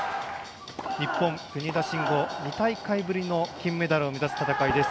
日本、国枝慎吾２大会ぶりの金メダルを目指す戦いです。